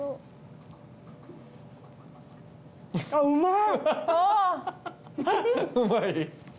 うまい？